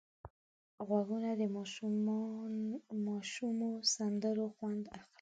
غوږونه د ماشومو سندرو خوند اخلي